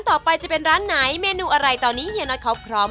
ต่อไปจะเป็นร้านไหนเมนูอะไรตอนนี้เฮียน็อตเขาพร้อม